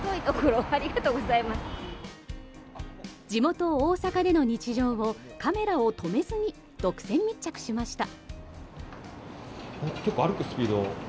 地元・大阪での日常をカメラを止めずに独占密着しました。